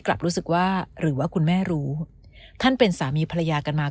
กลับรู้สึกว่าหรือว่าคุณแม่รู้ท่านเป็นสามีภรรยากันมา